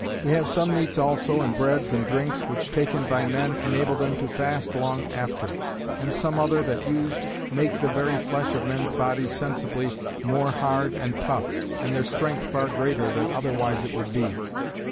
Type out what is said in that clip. We have some meats also and breads and drinks, which taken by men enable them to fast long after; and some other, that used make the very flesh of men's bodies sensibly' more hard and tough and their strength far greater than otherwise it would be.